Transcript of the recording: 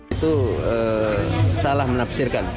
itu salah menafsirkan